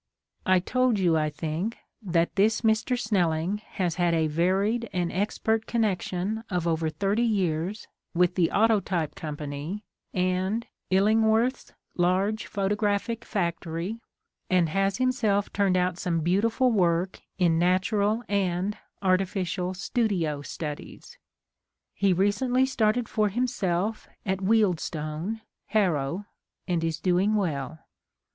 I told you, I think, that this Mr. Snelling has had a varied and expert connection of over thirty years with the Autotyi3e Com pany and lUingworth's large photographic factory and has himself turned out some beautiful work in natural and artificial stu dio studies. He recently started for him self at Wealdstone (Harrow) and is doing well.